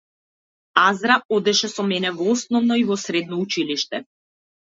Азра одеше со мене во основно и во средно училиште.